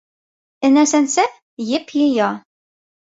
Энә сәнсә, еп йыя.